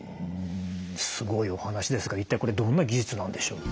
すごいお話ですが一体これどんな技術なんでしょう？